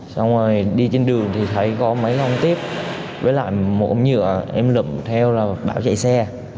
xong rồi đi trên đường thì thấy có mấy lông tiếp với lại một ống nhựa em lụm theo là bảo chạy xe